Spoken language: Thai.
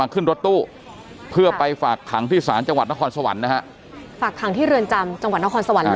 ขึ้นรถตู้เพื่อไปฝากขังที่ศาลจังหวัดนครสวรรค์นะฮะฝากขังที่เรือนจำจังหวัดนครสวรรค์เลย